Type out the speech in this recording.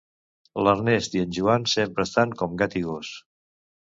L'Ernest i en Joan sempre estan com gat i gos